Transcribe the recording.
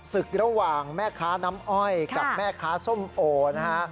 ศึกระหว่างแม่ค้าน้ำอ้อยกับแม่ค้าส้มโอนะฮะ